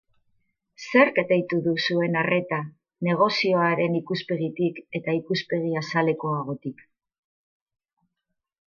Zerk deitu du zuen arreta, negozioaren ikuspegitik eta ikuspegi azalekoagotik?